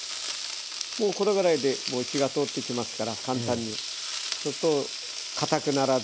もうこのぐらいで火が通ってきますから簡単にかたくならずに。